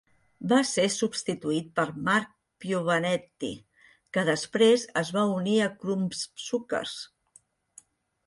Va ser substituït per Marc Piovanetti, que després es va unir a Crumbsuckers.